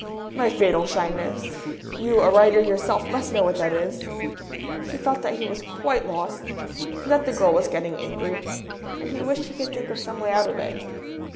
"My fatal shyness! You, a writer yourself, must know what that is!" He felt that he was quite lost, and that the girl was getting angry, and he wished he could think of some way out of it.